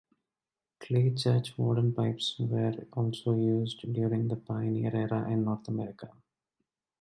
Clay churchwarden pipes were also used during the pioneer era in North America.